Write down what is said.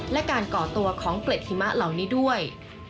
และการก่อตัวของเกล็ดหิมะเหล่านี้ด้วย